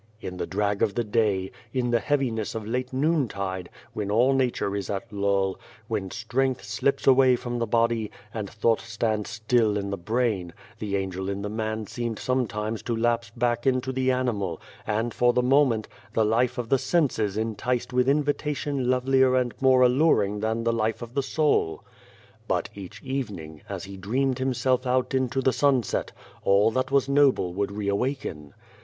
"In the drag of the day, in the heaviness of 82 Beyond the Door late noontide, when all nature is at lull, when strength slips away from the body, and thought stands still in the brain, the angel in the man seemed sometimes to lapse back into the animal, and, for the moment, the life of the senses enticed with invitation lovelier and more alluring than the life of the soul. " But each evening, as he dreamed himself out into the sunset, all that was noble would reawaken.